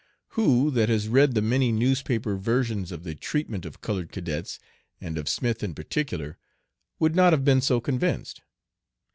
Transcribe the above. Who that has read the many newspaper versions of the treatment of colored cadets, and of Smith in particular would not have been so convinced?